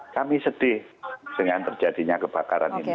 kami sedih dengan terjadinya kebakaran ini